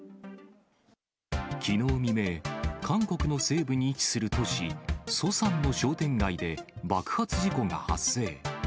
きのう未明、韓国の西部に位置する都市ソサンの商店街で、爆発事故が発生。